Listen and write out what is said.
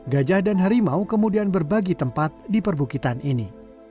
gajah dan harimau kemudian berbagi tempat di perbukitan ini